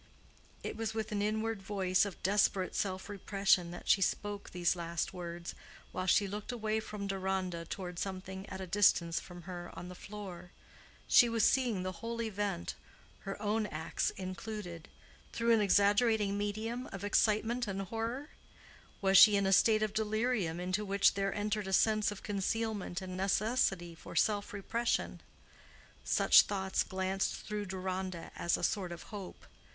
It was with an inward voice of desperate self repression that she spoke these last words, while she looked away from Deronda toward something at a distance from her on the floor. She was seeing the whole event—her own acts included—through an exaggerating medium of excitement and horror? Was she in a state of delirium into which there entered a sense of concealment and necessity for self repression? Such thoughts glanced through Deronda as a sort of hope.